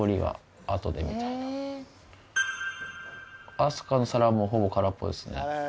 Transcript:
明日香の皿もうほぼ空っぽですね。